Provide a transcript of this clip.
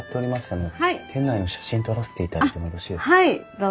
どうぞ。